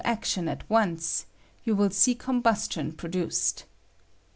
177 ction at once, joa will see combustion pro iluced.